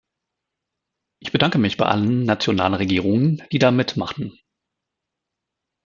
Ich bedanke mich bei allen nationalen Regierungen, die da mitmachen.